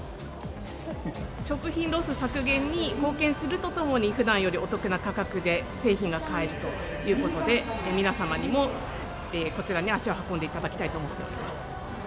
食品ロス削減に貢献するとともに、ふだんよりお得な価格で製品が買えるということで、皆様にもこちらに足を運んでいただきたいと思っております。